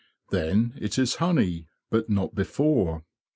Then it is honey, but not before.